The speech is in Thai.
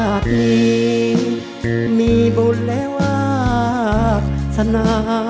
อยากมีมีบุญและวักษณะ